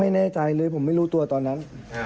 ไม่แน่ใจเลยผมไม่รู้ตัวตอนนั้น